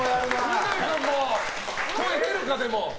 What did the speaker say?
犬飼君も声出るか、でも。